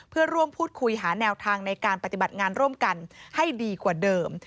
เพื่อร่วมพูดคุยหาแนวทางในการปฏิบัติงานร่วมกันให้ดีกว่าเดิม